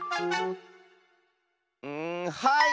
うんはい！